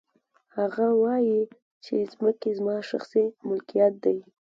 هغه وايي چې ځمکې زما شخصي ملکیت دی